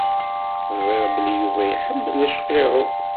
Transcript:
Ẓriɣ belli Yuba iḥemmel acqirrew.